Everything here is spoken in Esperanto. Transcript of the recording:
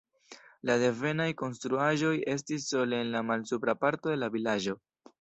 La devenaj konstruaĵoj estis sole en malsupra parto de la vilaĝo.